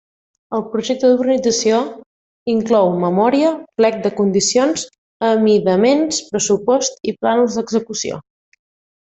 El projecte d'urbanització inclou memòria, plec de condicions, amidaments, pressupost i plànols d'execució.